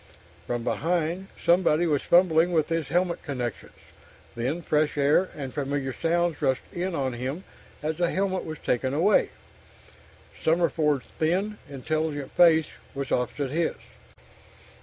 From behind, somebody was fumbling with his helmet connections, then fresh air and familiar sounds rushed in on him as the helmet was taken away. Summerford's thin, intelligent face was opposite his.